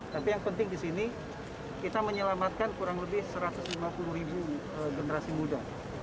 tapi yang penting di sini kita menyelamatkan kurang lebih satu ratus lima puluh ribu generasi muda